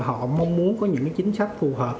họ mong muốn có những chính sách phù hợp